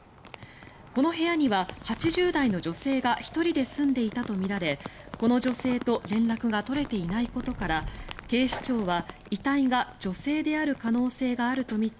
この部屋には８０代の女性が１人で住んでいたとみられこの女性と連絡が取れていないことから警視庁は遺体が女性である可能性があるとみて